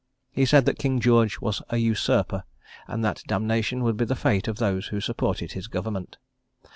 He said that King George was a usurper, and that damnation would be the fate of those who supported his government.